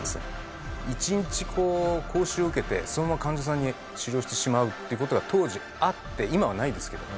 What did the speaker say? １日講習を受けてそのまま患者さんに治療してしまうっていう事が当時あって今はないですけど。